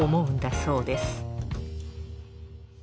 そうです。